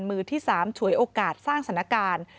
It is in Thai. มือที่๓ฉวยโอกาสสร้างสถานการณ์